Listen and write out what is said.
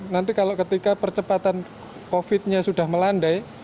nanti kalau ketika percepatan covid nya sudah melandai